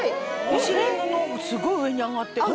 お尻すごい上に上がってる。